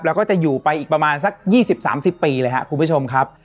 แล้วก็จะอยู่ไปอีกประมาณสัก๒๐๓๐ปีเลยครับ